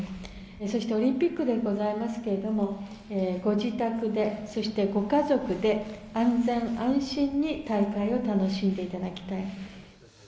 そしてオリンピックでございますけれども、ご自宅で、そしてご家族で、安全安心に大会を楽しんでいただきたい。